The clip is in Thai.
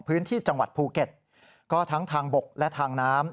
พื้นที่จังหวัดภูเก็ตก็ทั้งทางบกและทางน้ำ